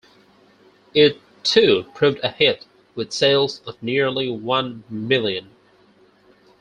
It, too, proved a hit, with sales of nearly one million.